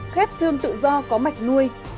khép xương tự do có mạch nuôi